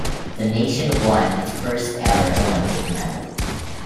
The nation won its first ever Olympic medal.